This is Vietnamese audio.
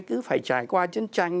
cứ phải trải qua chiến tranh